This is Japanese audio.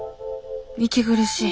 息苦しい。